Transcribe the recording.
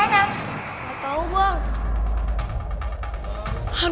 engga tau buang